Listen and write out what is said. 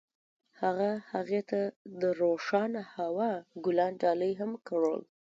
هغه هغې ته د روښانه هوا ګلان ډالۍ هم کړل.